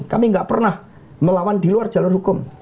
kami nggak pernah melawan di luar jalur hukum